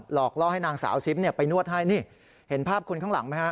หลอกล่อให้นางสาวซิมไปนวดให้นี่เห็นภาพคนข้างหลังไหมฮะ